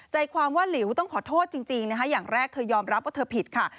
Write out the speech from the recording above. ใจความว่าหลิวต้องขอโทษจริงนะคะอย่างแรกเธอยอมรับว่าเธอผิดค่ะ